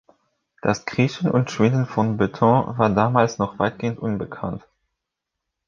Das Kriechen und Schwinden von Beton waren damals noch weitgehend unbekannt.